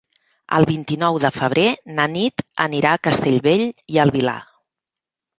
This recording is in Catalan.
El vint-i-nou de febrer na Nit anirà a Castellbell i el Vilar.